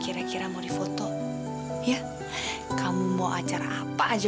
tidak ada jawabannya